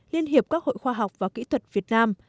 liên hiệp các hội khoa học và kỹ thuật việt nam